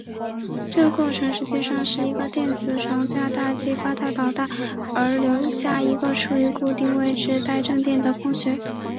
这个过程实际上是一个电子从价带激发到导带而留下一个处于固定位置带正电的空穴。